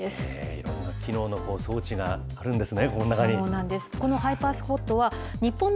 いろんな機能の装置があるんですね、この中に。